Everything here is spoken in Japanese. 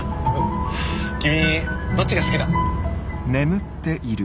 君どっちが好きだ？